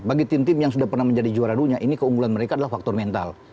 bagi tim tim yang sudah pernah menjadi juara dunia ini keunggulan mereka adalah faktor mental